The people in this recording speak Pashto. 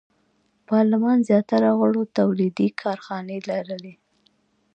پارلمان زیاتره غړو تولیدي کارخانې لرلې.